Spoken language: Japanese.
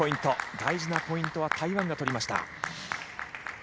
大事なポイントは台湾が取りました。